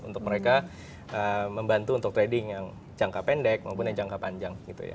untuk mereka membantu untuk trading yang jangka pendek maupun yang jangka panjang